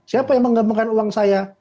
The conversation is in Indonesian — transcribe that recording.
siapa yang menggabungkan uang saya